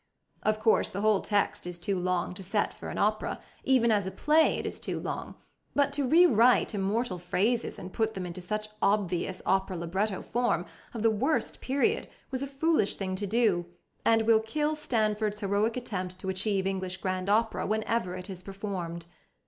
Of course, the whole text is too long to set for an opera even as a play it is too long; but to rewrite immortal phrases and put them into such obvious opera libretto form (of the worst period) was a foolish thing to do, and will kill Stanford's heroic attempt to achieve English grand opera whenever it is performed.